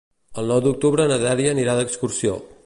El nou d'octubre na Dèlia anirà d'excursió.